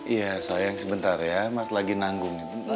iya sayang sebentar ya mas lagi nanggung nih bentar ya